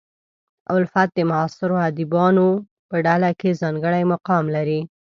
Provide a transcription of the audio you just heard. الفت د معاصرو ادیبانو په ډله کې ځانګړی مقام لري.